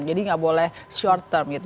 nggak boleh short term gitu